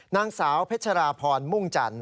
นางสาวเพชราพรมุ่งจันท